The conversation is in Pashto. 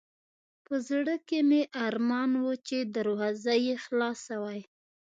په زړه کې مې ارمان و چې دروازه یې خلاصه وای.